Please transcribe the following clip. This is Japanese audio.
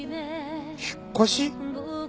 引っ越し？